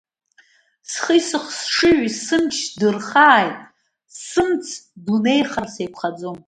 Схи сыхшыҩи сымч дырхааит, сымц дунеихар сеиқәхаӡом.